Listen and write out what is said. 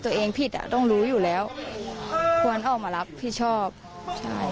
ผิดอ่ะต้องรู้อยู่แล้วควรออกมารับผิดชอบใช่